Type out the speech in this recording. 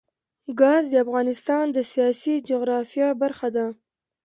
ګاز د افغانستان د سیاسي جغرافیه برخه ده.